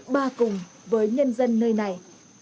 ba cùng với nhân dân nơi này